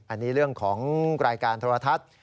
อันนี้เรื่องของรายการโทรทัศน์